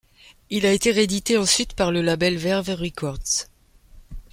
Il a été réédité ensuite par le label Verve Records.